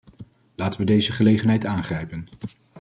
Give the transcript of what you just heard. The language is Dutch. Laten we deze gelegenheid aangrijpen.